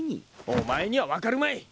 お前には分かるまい！